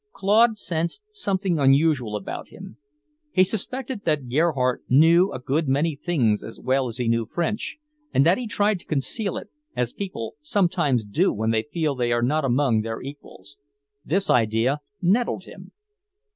Claude sensed something unusual about him. He suspected that Gerhardt knew a good many things as well as he knew French, and that he tried to conceal it, as people sometimes do when they feel they are not among their equals; this idea nettled him.